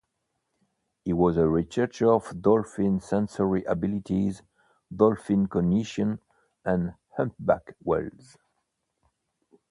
He was a researcher of dolphin sensory abilities, dolphin cognition, and humpback whales.